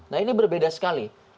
nah ini berbeda sekali